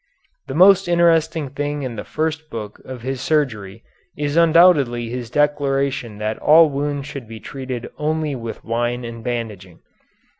The most interesting thing in the first book of his surgery is undoubtedly his declaration that all wounds should be treated only with wine and bandaging.